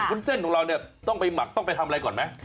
วุ้นเส้นของเราเนี่ยต้องไปหมักต้องไปทำอะไรก่อนไหม